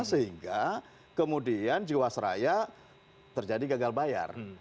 sehingga kemudian jiwasraya terjadi gagal bayar